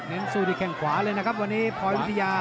สู้ที่แข่งขวาเลยนะครับวันนี้พลอยวิทยา